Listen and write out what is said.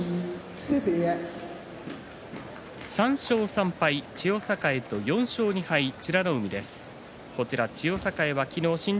３勝３敗、千代栄４勝２敗の美ノ海です。